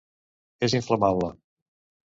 És inflamable.